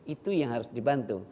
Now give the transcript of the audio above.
itu yang harus dibantu